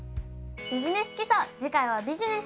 「ビジネス基礎」